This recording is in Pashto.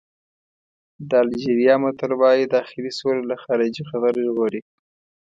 د الجېریا متل وایي داخلي سوله له خارجي خطر ژغوري.